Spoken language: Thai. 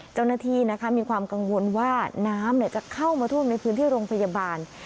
เจ้าหน้าที่มีความกังวลว่าน้ำจะเข้ามาท่วมในพื้นที่โรงพยาบาล